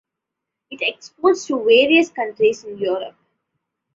It exports to various countries in Europe.